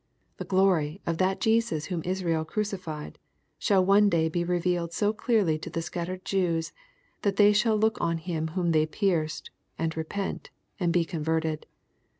— The " glory" of that Jesus whom Israel crucified, shall one day be revealed so clearly to the scattered Jews, that they shall look on Him whom they pierced, and repent, and be converted.